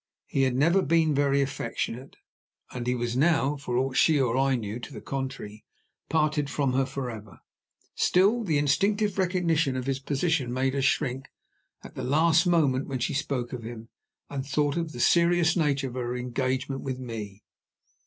He had never been very affectionate; and he was now, for aught she or I knew to the contrary, parted from her forever. Still, the instinctive recognition of his position made her shrink, at the last moment, when she spoke of him, and thought of the serious nature of her engagement with me.